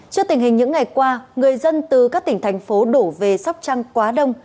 trước tình hình những ngày qua người dân từ các tỉnh thành phố đổ về sóc trăng quá đông